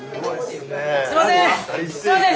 すいません！